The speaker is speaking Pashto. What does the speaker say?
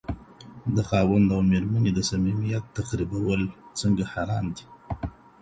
د خاوند او ميرمني د صميميت تخريبول څنګه حرام دي؟